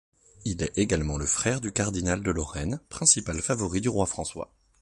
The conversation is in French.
Il est également le frère du cardinal de Lorraine, principal favori du roi François.